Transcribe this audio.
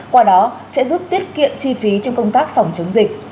qua đó sẽ giúp tiết kiệm chi phí trong công tác phòng chống dịch